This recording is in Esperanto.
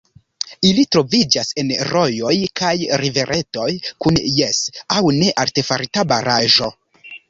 Ili troviĝas en rojoj kaj riveretoj kun jes aŭ ne artefarita baraĵo.